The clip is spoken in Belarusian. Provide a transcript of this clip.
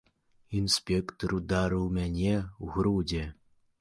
Інспектар ударыў мяне ў грудзі.